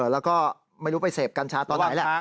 แล้วก็ไม่รู้ไปเสพกัญชาตอนไหนแหละ